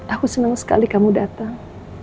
aku senang sekali kamu datang